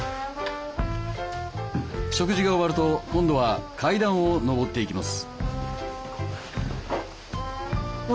食事が終わると今度は階段を上っていきます。